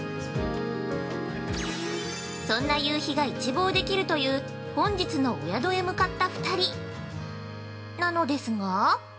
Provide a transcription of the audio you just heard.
そんな夕日が一望できるという本日のお宿へ向かった２人なのですが？